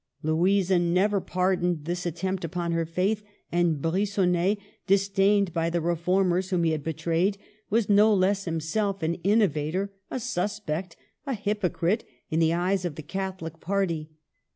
Louisa never pardoned this attempt upon her faith ; and Bri^onnet, disdained by the reformers whom he had betrayed, was no less himself an inno vator, a suspect, a hypocrite in the eyes of the Catholic party.